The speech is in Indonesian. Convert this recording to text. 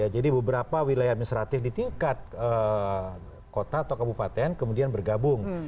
jadi beberapa wilayah administratif di tingkat kota atau kabupaten kemudian bergabung